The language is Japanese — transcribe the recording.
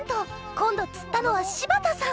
今度釣ったのは柴田さん！